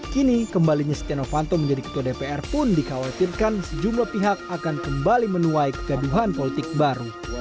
kini kembalinya setia novanto menjadi ketua dpr pun dikhawatirkan sejumlah pihak akan kembali menuai kegaduhan politik baru